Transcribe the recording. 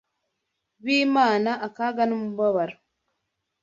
b’Imana akaga n’umubabaro